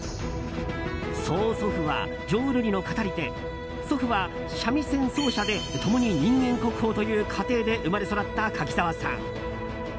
曽祖父は浄瑠璃の語り手祖父は三味線奏者で共に人間国宝という家庭で生まれ育った柿澤さん。